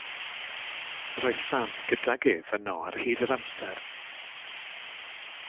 Yr oedd Sam gydag ef yno ar hyd yr amser.